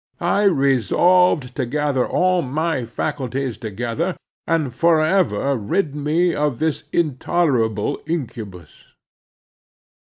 I resolved to gather all my faculties together, and for ever rid me of this intolerable incubus.